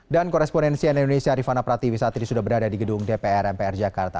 dan koresponensi dari indonesia rifana pratiwisatri sudah berada di gedung dpr mpr jakarta